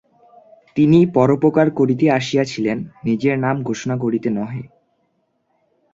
তিনি পরোপকার করিতে আসিয়াছিলেন, নিজের নাম ঘোষণা করিতে নহে।